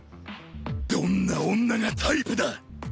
どんな女がタイプだ？